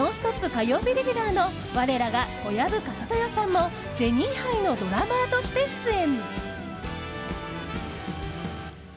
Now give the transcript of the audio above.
火曜日レギュラーの我らが小籔千豊さんもジェニーハイのドラマーとして出演。